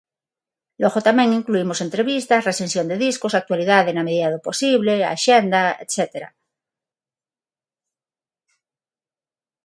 Logo tamén incluímos entrevistas, recensión de discos, actualidade na medida do posible, axenda etcétera.